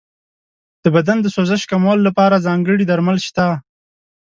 د بدن د سوزش کمولو لپاره ځانګړي درمل شته.